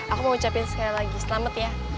aku mau ucapin sekali lagi selamat ya